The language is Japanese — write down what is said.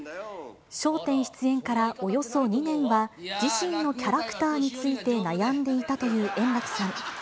笑点出演からおよそ２年は、自身のキャラクターについて悩んでいたという円楽さん。